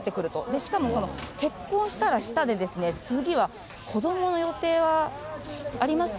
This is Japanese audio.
しかも、その結婚したらしたで、次は子どもの予定はありますか？